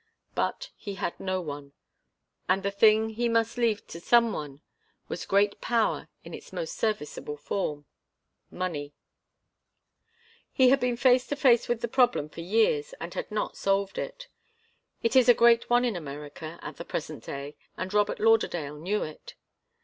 But he had no one, and the thing he must leave to some one was great power in its most serviceable form money. He had been face to face with the problem for years and had not solved it. It is a great one in America, at the present day, and Robert Lauderdale knew it.